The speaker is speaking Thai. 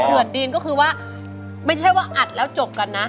ดีนก็คือว่าไม่ใช่ว่าอัดแล้วจบกันนะ